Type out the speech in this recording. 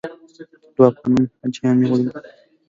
دوه افغان حاجیان مې ولیدل.